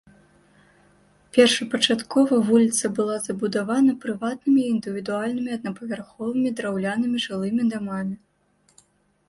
Першапачаткова вуліца была забудавана прыватнымі індывідуальнымі аднапавярховымі драўлянымі жылымі дамамі.